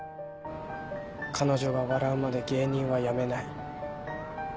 彼女が笑うまで芸人は辞めない。